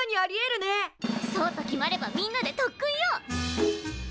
そうと決まればみんなで特訓よ！